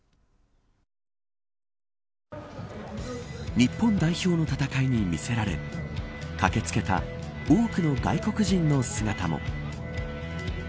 日本代表の戦いに魅せられ駆け付けた多くの外国人の姿も。